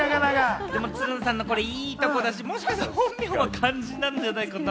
つるのさんのこれ、いいところだし、もしかしたら本名は漢字なんじゃないかな？